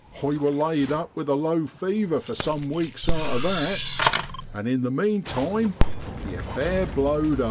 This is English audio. I wor laid up with a low fever for some weeks arter that; and in the meantime the affair blowed over.'